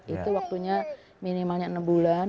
itu waktunya minimalnya enam bulan